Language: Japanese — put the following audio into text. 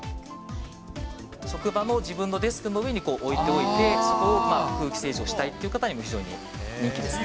職場の自分のデスクの上に置いておいて、そこを空気清浄したいという方にも非常に人気ですね。